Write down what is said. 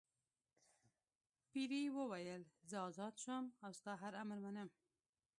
پیري وویل زه آزاد شوم او ستا هر امر منم.